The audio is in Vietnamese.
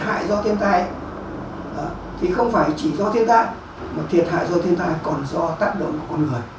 thiệt hại do thiên tai thì không phải chỉ do thiên tai mà thiệt hại do thiên tai còn do tác động của các loại thiên tai